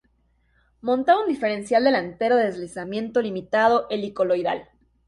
Montaba un diferencial delantero de deslizamiento limitado helicoidal.